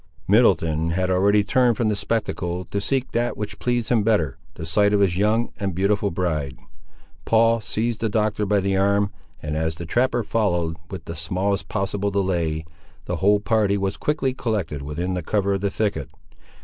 Middleton had already turned from the spectacle, to seek that which pleased him better; the sight of his young and beautiful bride. Paul seized the Doctor by the arm; and, as the trapper followed with the smallest possible delay, the whole party was quickly collected within the cover of the thicket.